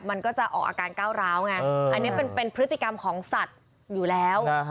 มันก็จะออกอาการก้าวร้าวไงอันนี้เป็นพฤติกรรมของสัตว์อยู่แล้ว